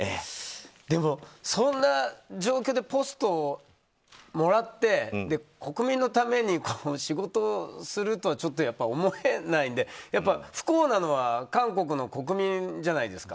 そんな状況でポストをもらって国民のために仕事をするとは思えないので不幸なのは韓国の国民じゃないですか。